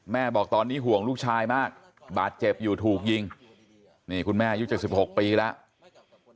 บอกตอนนี้ห่วงลูกชายมากบาดเจ็บอยู่ถูกยิงนี่คุณแม่อายุ๗๖ปีแล้ว